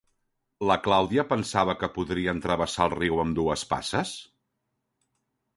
La Clàudia pensava que podrien travessar el riu amb dues passes?